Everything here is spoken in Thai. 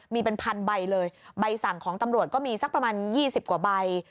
มีเป็นพันใบเลยใบสั่งของตำรวจก็มีสักประมาณ๒๐กว่าใบ